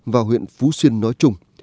và huyện phú xuyên nói chung